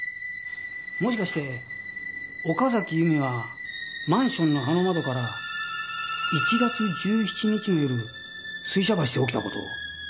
もしかして岡崎由美がマンションのあの窓から１月１７日の夜水車橋で起きた事を。